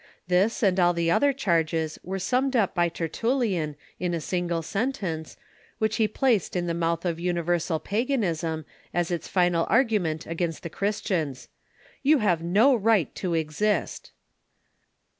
This and all the other charges were summed up by Tertullian in a single sentence, which he placed in the mouth of universal paganism, as its final argument against the Chris tians :" You have no right to exist